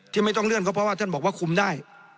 ไม่ต้องเลื่อนก็เพราะว่าท่านบอกว่าคุมได้